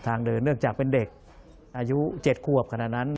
ทางเดินเนื่องจากเป็นเด็กอายุ๗ขวบขณะนั้น